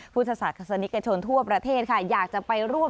พุทธศาสนิกชนทั่วประเทศค่ะอยากจะไปร่วม